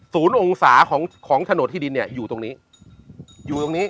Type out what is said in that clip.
ศูนย์องศาของถนนที่ดินอยู่ตรงนี้